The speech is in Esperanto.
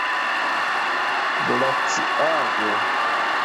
glaciaĵo